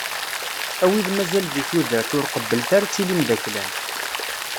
A wid mazal di tudert, ur qebblet ara ad tilim d aklan.